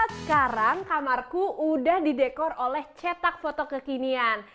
sekarang kamarku udah didekor oleh cetak foto kekinian